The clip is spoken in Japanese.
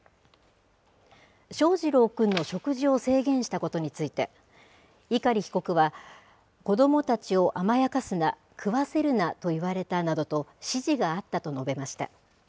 翔士郎くんの食事を制限したことについて、碇被告は、子どもたちを甘やかすな、食わせるなと言われたなどと指示があったと述べました。